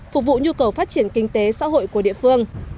phục vụ nhu cầu phát triển kinh tế xã hội của địa phương